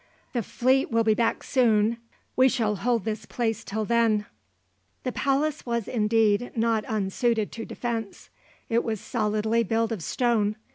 "The fleet will be back soon; we shall hold this place till then." The palace was indeed not unsuited to defence. It was solidly built of stone.